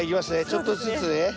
ちょっとずつ。